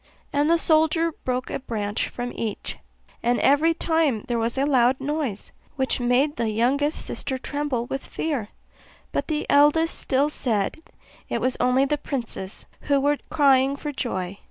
And the soldier broke a branch from each; and every time there was a loud noise, which made the youngest sister tremble with fear; but the eldest still said, it was only the princes, who were crying for joy.